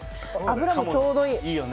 脂もちょうどいい。